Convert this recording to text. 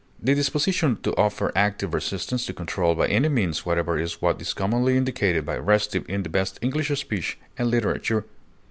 The disposition to offer active resistance to control by any means whatever is what is commonly indicated by restive in the best English speech and literature.